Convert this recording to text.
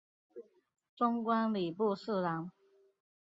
终官礼部侍郎。